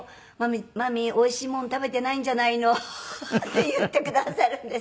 「真実おいしいもの食べてないんじゃないの？」って言ってくださるんです。